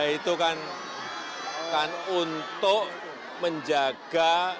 itu kan untuk menjaga